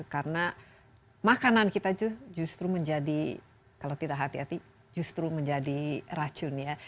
karena makanan kita itu justru menjadi kalau tidak hati hati justru menjadi racun ya